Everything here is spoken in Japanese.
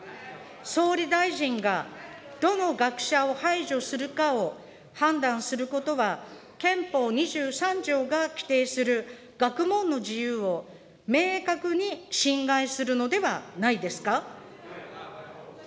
総理大臣がどの学者を排除するかを判断することは、憲法２３条が規定する学問の自由を明確に侵害するのではないですか。